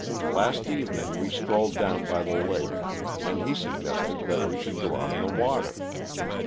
Last evening we strolled down by the lake, and he suggested that we should go out on the water.